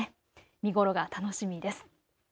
見頃が楽しみです。